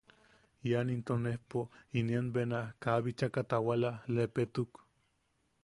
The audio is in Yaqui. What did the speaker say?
Ian into nejpo inien bena, kaa bichaka tawala, lepetuk.